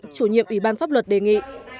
chủ nhiệm ủy ban pháp luật đề nghị